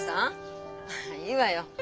いいわよ。